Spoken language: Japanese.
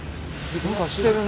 何かしてるね。